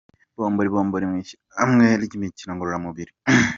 Bombori Bombiri mu ishyirahamwe ry’imikino ngororamubiri.